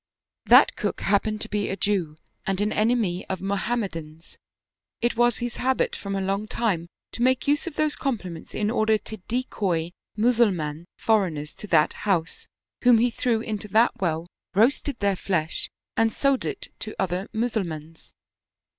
"That cook happened to be a Jew and an enemy of Mohammedans ; it was his habit from a long time to make use of those compliments in order to decoy Mussulman foreigners to that house, whom he threw into that well, roasted their flesh, and sold it to other Mussulmans.